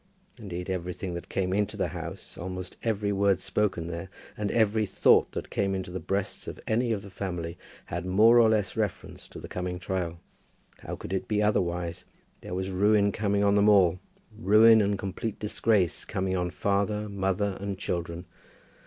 Indeed, everything that came into the house, almost every word spoken there, and every thought that came into the breasts of any of the family, had more or less reference to the coming trial. How could it be otherwise? There was ruin coming on them all, ruin and complete disgrace coming on father, mother, and children!